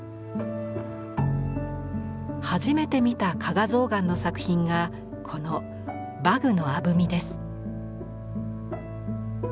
初めて見た加賀象嵌の作品がこの馬具の鐙です。